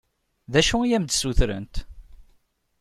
D acu i am-d-ssutrent?